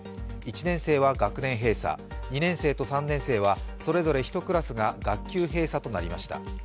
１年生は学年閉鎖２年生と３年生はそれぞれ１クラスが学級閉鎖となりました。